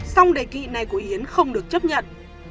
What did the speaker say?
xong đề kỵ này của yến không được chấp nhận